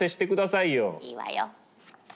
いいわよ。